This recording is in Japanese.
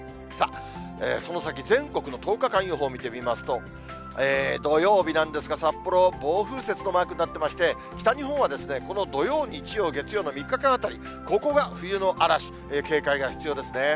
その先、全国の１０日間予報見てみますと、土曜日なんですが、札幌、暴風雪のマークになってまして、北日本はこの土曜、日曜、月曜の３日間あたり、ここが冬の嵐、警戒が必要ですね。